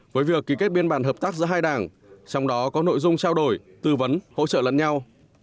với việc ký kết biên bản hợp tác giữa hai đảng trong đó có nội dung trao đổi tư vấn hỗ trợ lẫn nhau